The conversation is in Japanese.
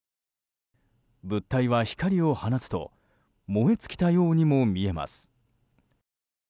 物体は光を放つと燃え尽きたようにも見えます。